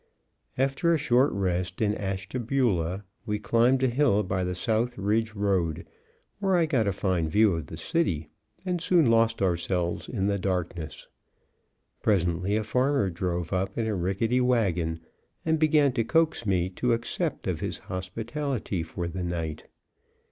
After a short rest in Ashtabula, we climbed a hill by the South Ridge road, where I got a fine view of the city, and soon lost ourselves in the darkness. Presently a farmer drove up in a rickety wagon and began to coax me to accept of his hospitality for the night.